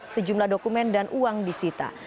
sejumlah dokumen dan uang disita